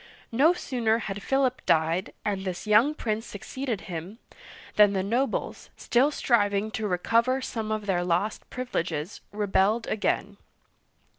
No sooner had Philip died, and this young prince succeeded him, than the nobles — still striving to recover some of their lost privi leges — rebelled again.